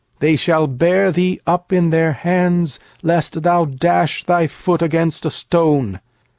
12They shall bear thee upon their hands, Lest thou dash thy foot against a stone.